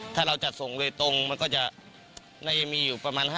ถ้าเราจัดส่งเลยตรงมันก็จะยังมีอยู่ประมาณ๕๖๐อยู่